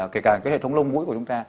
kể cả cái hệ thống lông mũi của chúng ta